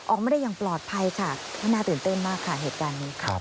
ออกมาได้อย่างปลอดภัยค่ะก็น่าตื่นเต้นมากค่ะเหตุการณ์นี้ครับ